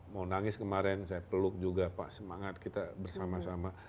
mau nangis kemarin saya peluk juga pak semangat kita bersama sama